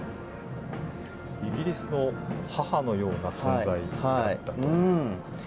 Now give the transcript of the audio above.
イギリスの母のような存在だったと。